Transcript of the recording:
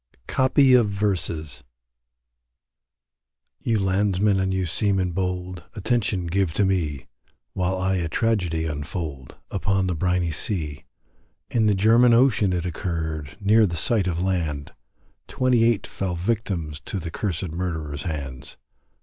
COPY OF VERSES. You landsmen and you seamen bold, Attention give to me, While I a tragedy unfold, Upon the briney sea; In the German ocean it occurred, Near the sight of land, Twenty eight fell victims To the cursed murderers hands.